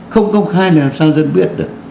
không công khai là làm sao dân biết được